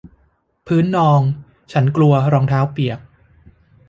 พื้นนอง ฉันกลัวรองเท้าเปียก